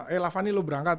eh lavani lu berangkat